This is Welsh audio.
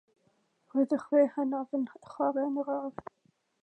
Roedd y chwe hynaf yn chware yn yr ardd.